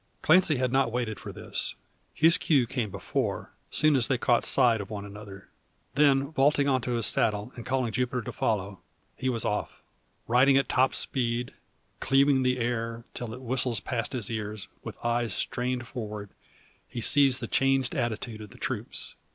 Clancy had not waited for this; his cue came before, soon as they caught sight of one another. Then, vaulting into his saddle, and calling Jupiter to follow, he was off. Riding at top speed, cleaving the air, till it whistles past his ears, with eyes strained forward, he sees the changed attitude of the troops.